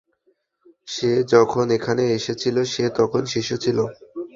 সে যখন এখানে এসেছিল সে তখন শিশু ছিল।